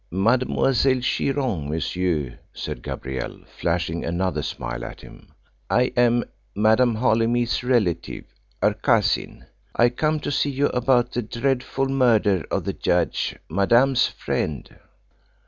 "Mademoiselle Chiron, monsieur," said Gabrielle, flashing another smile at him. "I am Madame Holymead's relative her cousin. I come to see you about the dreadful murder of the judge, Madame's friend."